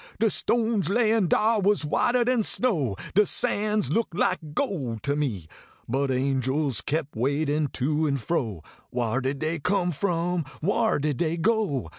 De stones layin dar was whiter dan snow. De sands looked like gold to me. But angels kep wadin to and fro ; Whar did dey come from ? Whar did dey go